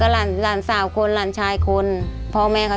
ขอเพียงคุณสามารถที่จะเอ่ยเอื้อนนะครับ